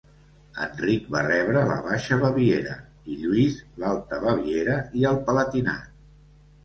Enric va rebre la Baixa Baviera i Lluís l'Alta Baviera i el Palatinat.